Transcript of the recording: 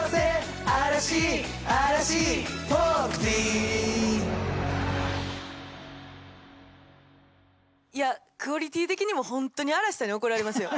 いやクオリティー的にも本当に嵐さんに怒られますよ。